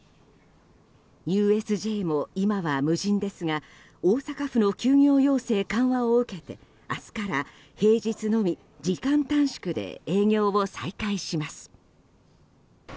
ＵＳＪも今は無人ですが大阪府の休業要請緩和を受けて明日から平日のみ時間短縮で営業を再開します。